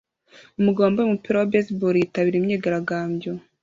Umugabo wambaye umupira wa baseball yitabira imyigaragambyo